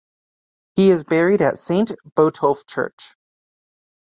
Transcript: He is buried at Saint Botolph Church.